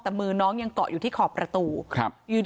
แต่มือน้องยังเกาะอยู่ที่ขอบประตูครับ